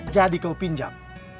jadi kau pinjam